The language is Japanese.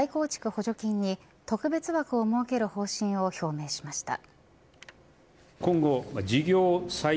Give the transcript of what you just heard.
補助金に特別枠を設ける方針を表明しました。